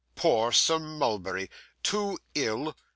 Poor Sir Mulberry! Too ill!